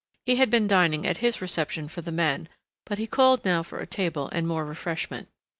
He had been dining at his reception for the men, but he called now for a table and more refreshment.